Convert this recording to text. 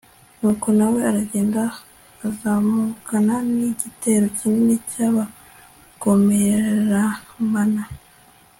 nuko na we aragenda, azamukana n'igitero kinini cy'abagomeramana